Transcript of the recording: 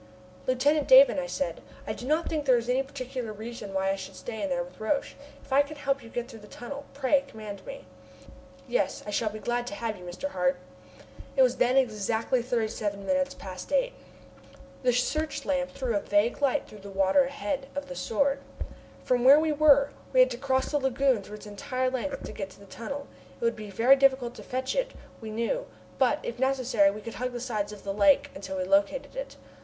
"Lieutenant Davon," I said, "I do not think there is any particular reason why I should stay in there with Roch. If I can help you to get through the tunnel, pray command me." "Yes, I shall be glad to have you by me, Mr. Hart." It was then exactly thirty seven minutes past eight. The search lamp threw a vague light through the water ahead of the Sword. From where we were, we had to cross the lagoon through its entire length to get to the tunnel. It would be pretty difficult to fetch it, we knew, but, if necessary, we could hug the sides of the lake until we located it.